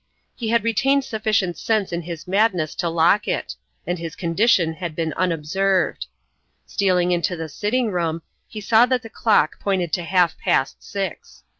He had retained sufficient sense in his madness to lock it, and his condition had been unobserved. Stealing into the sitting room, he saw that the clock pointed to half past six.